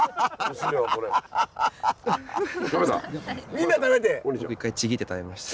みんな食べて？